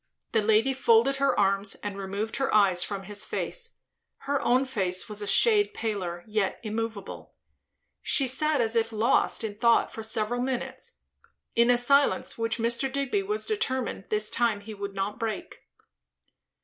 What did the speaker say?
The lady folded her arms, and removed her eyes from his face. Her own face was a shade paler, yet immoveable. She sat as if lost in thought for several minutes; in a silence which Mr. Digby was determined this time he would not break.